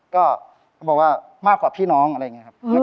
ก็บอกว่ามากกว่าพี่น้องอะไรอย่างนี้ครับ